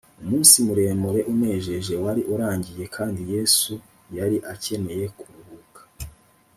umunsi muremure unejeje wari urangiye kandi yesu yari akeneye kuruhuka